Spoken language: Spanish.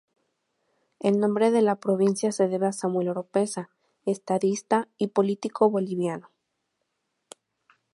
El nombre de la provincia se debe a Samuel Oropeza, estadista y político boliviano.